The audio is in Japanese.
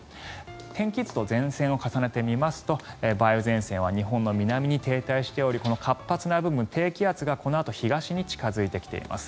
天気図と前線を重ねてみますと梅雨前線は日本の南に停滞しておりこの活発な部分、低気圧がこのあと東に近付いてきています。